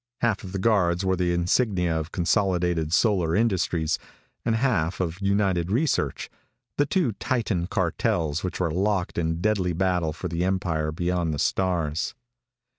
Half of the guards wore the insignia of Consolidated Solar Industries and half of United Research, the two titan cartels which were locked in deadly battle for the empire beyond the stars.